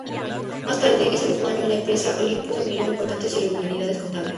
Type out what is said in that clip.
Más tarde ese mismo año, la empresa Olympus admitió importantes irregularidades contables.